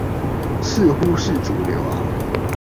似乎是主流啊